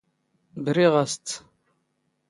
ⴱⵔⵉⵖ ⴰⵙ ⵜⵜ.